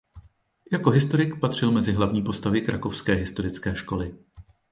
Jako historik patřil mezi hlavní postavy krakovské historické školy.